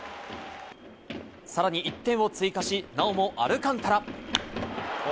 さらに１点を追加し、なおもアルカンタラ。